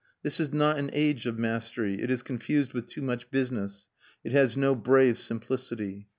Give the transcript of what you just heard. This is not an age of mastery; it is confused with too much business; it has no brave simplicity.